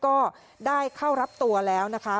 ก็ได้เข้ารับตัวแล้วนะคะ